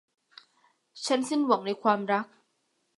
ฉันสิ้นหวังในความรัก